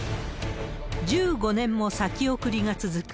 １５年も先送りが続く